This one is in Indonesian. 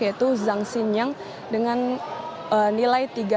yaitu zhang xin yang dengan nilai tiga tujuh